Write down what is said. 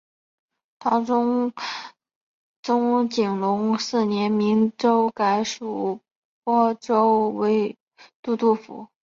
唐中宗景龙四年明州改属播州都督府。